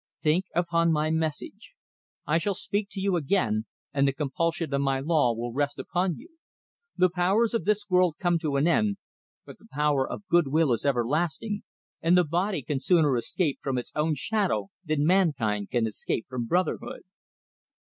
Think upon my message; I shall speak to you again, and the compulsion of my law will rest upon you. The powers of this world come to an end, but the power of good will is everlasting, and the body can sooner escape from its own shadow than mankind can escape from brotherhood."